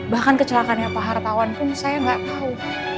bahkan kecelakaannya pak hartawan pun saya nggak tahu